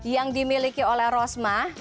yang dimiliki oleh rosmah